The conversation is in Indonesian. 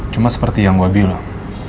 cuma seperti yang gue bilang